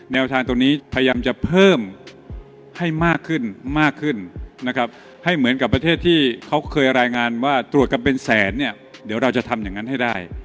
แนวทางตรงนี้พยายามจะเพิ่มให้มากขึ้นมากขึ้นนะครับให้เหมือนกับประเทศที่เขาเคยรายงานว่าตรวจกันเป็นแสนเนี่ยเดี๋ยวเราจะทำอย่างนั้นให้ได้